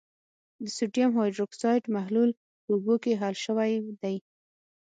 د سوډیم هایدروکسایډ محلول په اوبو کې حل شوی دی.